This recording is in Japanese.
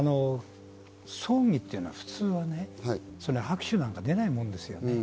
葬儀っていうのは普通はね、握手なんか出ないものですよね。